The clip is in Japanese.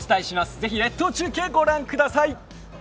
ぜひ列島中継、御覧ください。